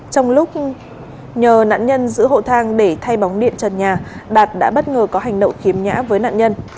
trong lúc nhờ nạn nhân giữ hộ thang để thay bóng điện trần nhà đạt đã bất ngờ có hành động khiếm nhã với nạn nhân